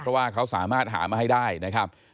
เพราะว่าเขาสามารถหามาให้ได้นะครับ